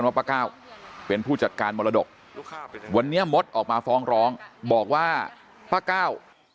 ว่าป้าก้าวเป็นผู้จัดการมรดกวันนี้มดออกมาฟ้องร้องบอกว่าป้าก้าว